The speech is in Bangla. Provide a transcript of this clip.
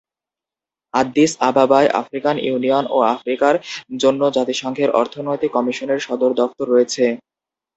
আদ্দিস আবাবায় আফ্রিকান ইউনিয়ন ও আফ্রিকার জন্য জাতিসংঘের অর্থনৈতিক কমিশনের সদর দফতর রয়েছে।